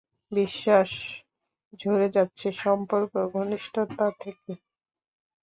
বিশ্বাস ঝরে যাচ্ছে সম্পর্ক, ঘনিষ্ঠতা থেকে।